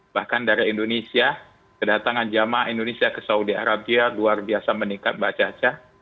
bahkan dari indonesia kedatangan jemaah indonesia ke saudi arabia luar biasa meningkat mbak caca